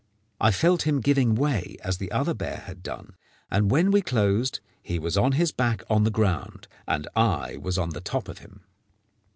I felt him giving way as the other bear had done, and when we closed he was on his back on the ground, and I was on the top of him.